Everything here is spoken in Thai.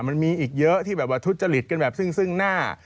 มันมีอีกเยอะที่แบบว่าทุจริตกันแบบซึ่งหน้า